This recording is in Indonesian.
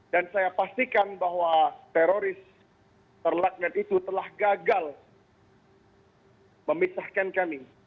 dan saya pastikan bahwa teroris terletnet itu telah gagal memisahkan kami